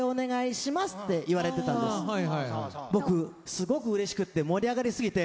すごくうれしくって盛り上がり過ぎて。